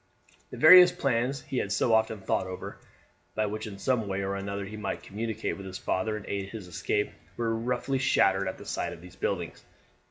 The various plans he had so often thought over, by which, in some way or other, he might communicate with his father and aid his escape, were roughly shattered at the sight of these buildings.